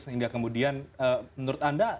sehingga kemudian menurut anda